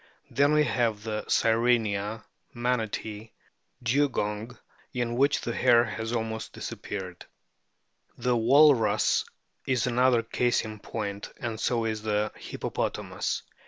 Then we have the Sirenia, Manatee, Dugong, in which the hair has almost disappeared. The Walrus is another case in point, and so is the Hippopotamus.